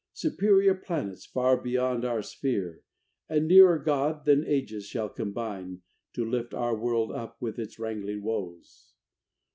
Superior planets, far beyond our sphere, And nearer God than ages shall combine To lift our world up with its wrangling woes.